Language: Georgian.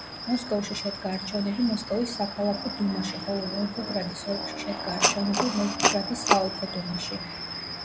მოსკოვში შედგა არჩევნები მოსკოვის საქალაქო დუმაში, ხოლო ვოლგოგრადის ოლქში შედგა არჩევნები ვოლგოგრადის საოლქო დუმაში.